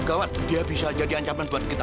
gawat dia bisa jadi ancaman buat kita